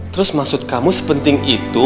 terus maksud kamu sepenting itu